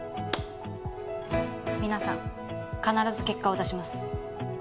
皆さん必ず結果を出します。